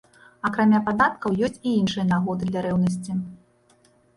Акрамя падаткаў ёсць і іншыя нагоды для рэўнасці.